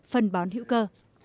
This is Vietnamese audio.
phần bán hữu cơ